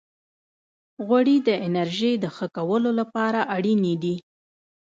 غوړې د انرژۍ د ښه کولو لپاره اړینې دي.